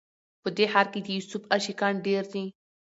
په دې ښار کي د یوسف عاشقان ډیر دي